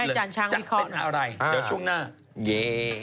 จะเป็นอะไรเดี๋ยวช่วงหน้าเย่